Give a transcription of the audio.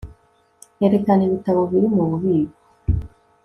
Erekana ibitabo biri mu bubiko